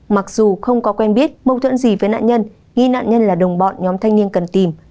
mặc dù không có quen biết mâu thuẫn gì với nạn nhân nghi nạn nhân là đồng bọn nhóm thanh niên cần tìm